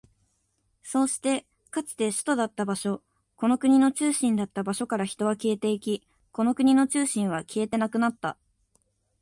そうして、かつて首都だった場所、この国の中心だった場所から人は消えていき、この国の中心は消えてなくなった。